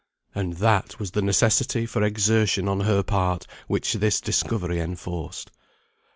And that was the necessity for exertion on her part which this discovery enforced.